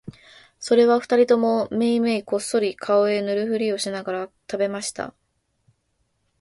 それは二人ともめいめいこっそり顔へ塗るふりをしながら喰べました